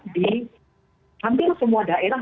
di hampir semua daerah